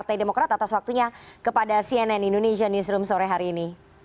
partai demokrat atas waktunya kepada cnn indonesia newsroom sore hari ini